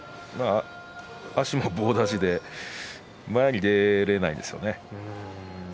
足も棒立ちで前に出られないですよね。